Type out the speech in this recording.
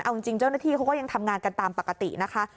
เอาจริงเจ้าหน้าที่เขาก็ยังทำงานกันตามปกตินะคะ